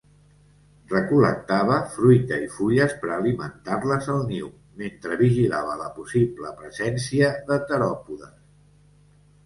Recol·lectava fruita i fulles per alimentar-les al niu, mentre vigilava la possible presència de teròpodes.